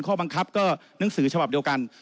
ข้อบังคับก็หนังสือฉบับเดียวกัน